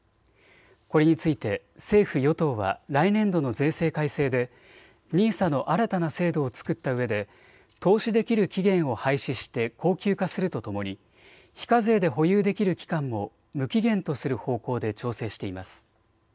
これについて政府与党は来年度の税制改正でＮＩＳＡの新たな制度を作ったうえで投資できる期限を廃止して恒久化するとともに非課税で保有できる期間も無期限とする方向で調整しています。